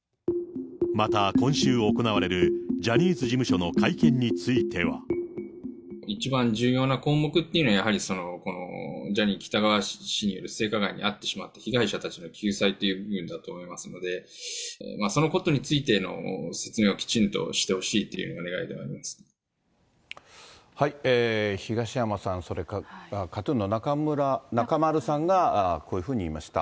また今週行われるジャニーズ事務所の会見については。一番重要な項目っていうのは、やはりジャニー喜多川氏による性加害に遭ってしまった被害者たちの救済という部分だと思いますので、そのことについての説明はきちんとしてほしいというのは願いでは東山さん、それからＫＡＴ−ＴＵＮの中丸さんがこういうふうに言いました。